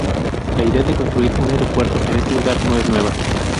La idea de construir un aeropuerto en este lugar no es nueva.